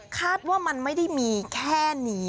คาดว่ามันไม่ได้มีแค่นี้